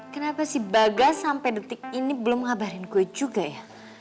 kenapa si baga sampai detik ini belum ngabarin gue juga ya